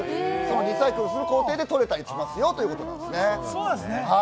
リサイクルする工程で取れたりしますよということです。